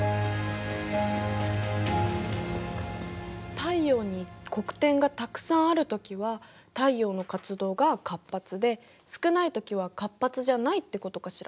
太陽に黒点がたくさんあるときは太陽の活動が活発で少ないときは活発じゃないってことかしら。